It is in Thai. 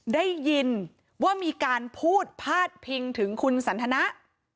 ได้ยินว่ามีการพูดพาดพิงถึงคุณสันทนะ